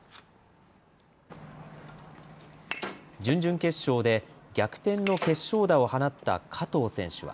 準々決勝で逆転の決勝打を放った加藤選手は。